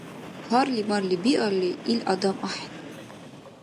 Гьарли-марли биалли, ил адам ахӀен.